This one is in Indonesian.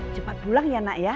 cepat pulang ya nak ya